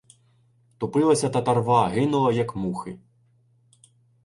Топилася татарва, гинула як мухи.